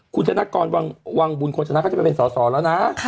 คุณธนกรวังบุญคนธนาคต์จะไปเป็นสอสอแล้วนะ